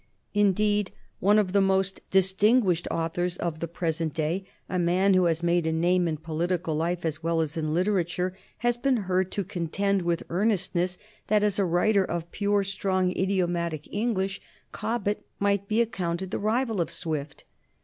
Indeed, one of the most distinguished authors of the present day, a man who has made a name in political life as well as in literature, has been heard to contend with earnestness that, as a writer of pure, strong, idiomatic English, Cobbett might be accounted the rival of Swift.